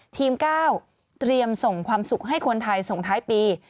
๙เตรียมส่งความสุขให้คนไทยส่งท้ายปี